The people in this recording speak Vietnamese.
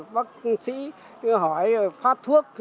bác sĩ hỏi phát thuốc